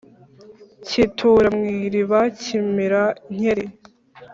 kitura mw iriba kimira nkeri.